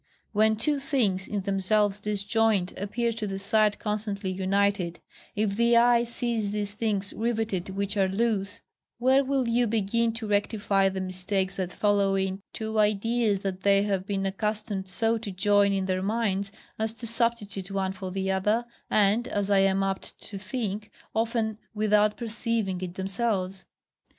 When two things, in themselves disjoined, appear to the sight constantly united; if the eye sees these things riveted which are loose, where will you begin to rectify the mistakes that follow in two ideas that they have been accustomed so to join in their minds as to substitute one for the other, and, as I am apt to think, often without perceiving it themselves?